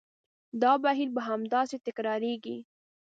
دا بهیر به همداسې تکرارېږي.